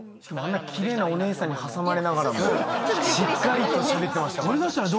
あんな奇麗なお姉さんに挟まれながらもしっかりとしゃべってました。